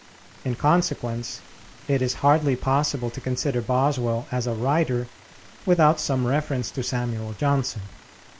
In consequence, it is hardly possible to consider Boswell as a writer without some reference to Samuel Johnson.